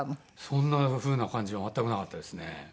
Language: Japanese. そんな風な感じは全くなかったですね。